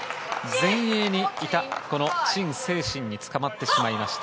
前衛にいたチン・セイシンにつかまってしまいました。